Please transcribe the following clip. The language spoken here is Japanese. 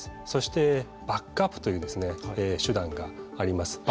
そしてバックアップという手段があります。